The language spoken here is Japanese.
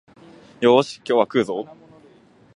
よーし、今日は食うぞお